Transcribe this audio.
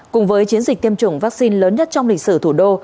cùng với chiến dịch tiêm chủng vaccine lớn nhất trong lịch sử thủ đô